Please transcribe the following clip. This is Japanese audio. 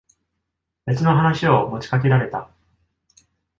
別の話を持ちかけられた。